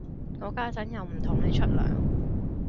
我家陣又唔同你出糧